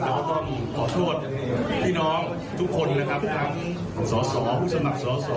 ก็ต้องขอโทษพี่น้องทุกคนนะครับทั้งสสผู้สมัครสอสอ